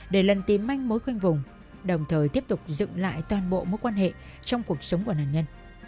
để lần tìm manh mối khuynh vùng đồng thời tiếp tục dựng lại toàn bộ mối quan hệ trong cuộc sống của nạn nhân